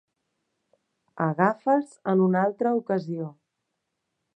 Agafa'ls en una altra ocasió.